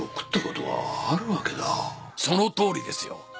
そのとおりですよ。